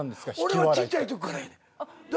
俺はちっちゃいときからやねん。